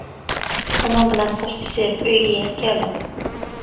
ئۇنىڭ بىلەن خوشلىشىپ ئۆيگە يېنىپ كەلدىم.